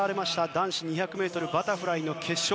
男子２００ｍバタフライの決勝。